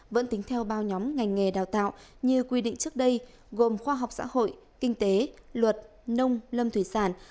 vẫn tính theo bao nhóm ngành nghề đào tạo như quy định trước đây gồm khoa học xã hội kinh tế luật nông lâm thủy sản